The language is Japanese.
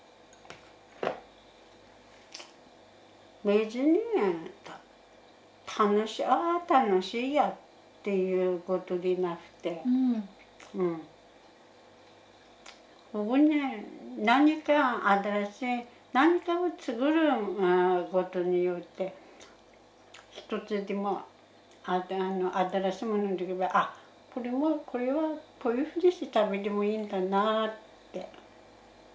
別に楽しいあ楽しいやっていうことでなくてここに何か新しい何かを作ることによって一つでも新しいものできればあっこれはこれはこういうふうにして食べてもいいんだなぁって。